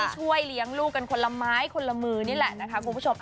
ช่วยเลี้ยงลูกกันคนละไม้คนละมือนี่แหละนะคะคุณผู้ชม